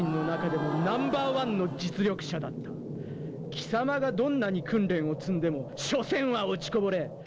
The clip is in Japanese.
貴様がどんなに訓練を積んでも所詮は落ちこぼれ。